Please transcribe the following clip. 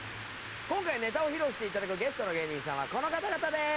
今回ネタを披露して頂くゲストの芸人さんはこの方々です！